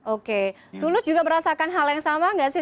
oke tulus juga merasakan hal yang sama nggak sih